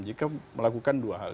jika melakukan dua hal